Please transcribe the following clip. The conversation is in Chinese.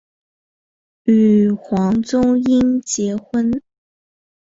与黄宗英结婚。